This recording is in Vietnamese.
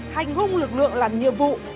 hành hùng lực lượng làm nhiệm vụ